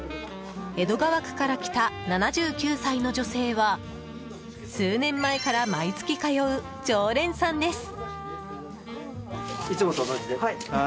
江戸川区から来た７９歳の女性は数年前から毎月通う常連さんです。